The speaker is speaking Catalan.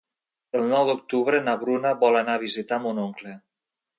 El nou d'octubre na Bruna vol anar a visitar mon oncle.